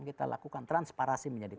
kita lakukan transparasi menjadi